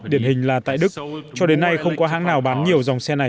điển hình là tại đức cho đến nay không có hãng nào bán nhiều dòng xe này